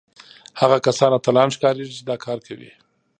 هغه کسان اتلان ښکارېږي چې دا کار کوي